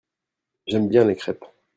J'aime bien les crèpes.